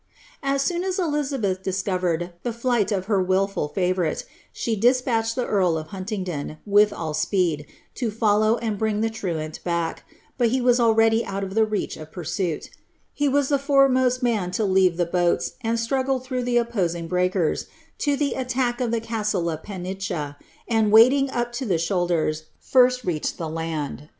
As soon as Elizabeth discovered the flight of her wilful favourite, she npatched the earl of Huntingdon, with all speed, to follow and bring le truant back, but he was already out of the reach of pursuit He «B the foremost man to leave the boats, and struggle through the ppoeing breakers, to the attack of the castle of Penicha, and, wading p to the shoulders, flrst reached the land.